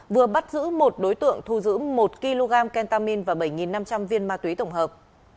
vừa bắt giữ một đối tượng thu giữ một kg kentamin và bảy năm trăm linh viên ma túy tổng hợp